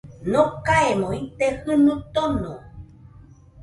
Nokaemo ite jɨnuo tono